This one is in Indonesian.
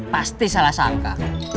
pasti salah sangka